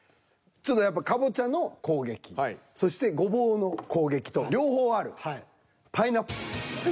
ちょっとやっぱカボチャの攻撃そしてゴボウの攻撃と両方あるパイナップル。